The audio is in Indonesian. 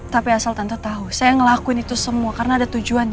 tapi asal tante tahu saya ngelakuin itu semua karena ada tujuannya